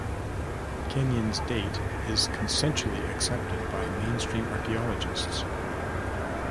Kenyon's date is consensually accepted by mainstream archaeologists.